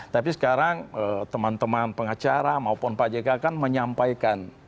tapi sekarang teman teman pengacara maupun pak jk kan menyampaikan